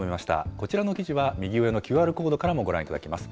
こちらの記事は、右上のＱＲコードからもご覧いただけます。